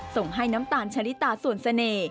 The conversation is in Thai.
ส่งให้น้ำตาลชะลิตาส่วนเสน่ห์